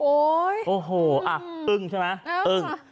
โอ้ยโอ้โหอ่ะอึ้งใช่มะอึ้ง